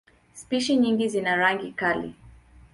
Spishi nyingi zina rangi kali.